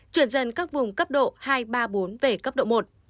truyền dân các vùng cấp độ hai ba bốn về cấp độ một